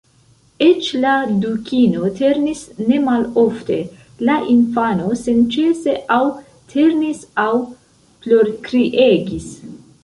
Eĉ la Dukino ternis ne malofte; la infano senĉese aŭ ternis aŭ plorkriegis.